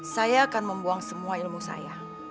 saya akan membuang semua ilmu saya